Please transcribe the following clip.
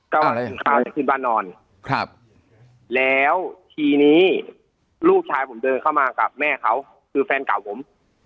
ก็เขาจะขึ้นบ้านนอนครับแล้วทีนี้ลูกชายผมเดินเข้ามากับแม่เขาคือแฟนเก่าผม